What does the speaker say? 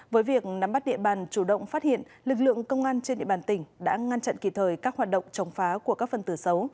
với việc nắm bắt địa bàn chủ động phát hiện lực lượng công an trên địa bàn tỉnh đã ngăn chặn kỳ thời các hoạt động chống phá của các phần tử xấu